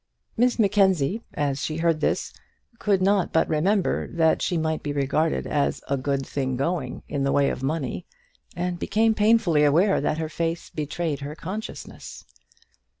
Miss Mackenzie, as she heard this, could not but remember that she might be regarded as a good thing going in the way of money, and became painfully aware that her face betrayed her consciousness.